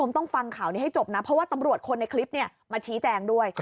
ต้องฟังข่าวนี้ให้จบนะเพราะว่าตำรวจคนในคลิปมาชี้แจงด้วย